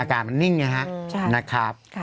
การมันนิ่งนะครับ